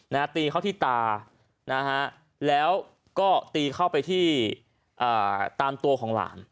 ตีเข้าที่ตานะฮะแล้วก็ตีเข้าไปที่อ่าตามตัวของหลาน